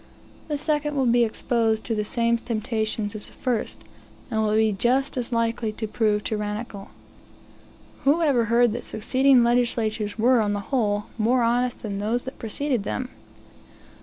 The second will be exposed to the same temptations as the first, and will be just as likely to prove tyrannical. Who ever heard that succeeding legislatures were, on the whole, more honest than those that preceded them?